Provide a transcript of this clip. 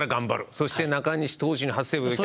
そして中西投手に初セーブがいった。